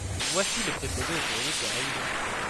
Voici le préposé au courrier qui arrive.